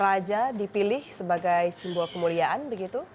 raja dipilih sebagai simbol kemuliaan begitu